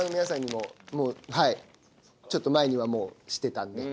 もうはいちょっと前にはもうしてたんで。